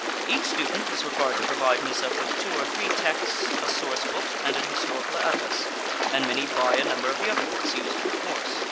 Each student is required to provide himself with two or three texts, a source book, and an historical atlas, and many buy a number of the other books used in the course.